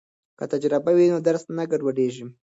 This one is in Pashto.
که تجربه وي نو درس نه ګډوډیږي.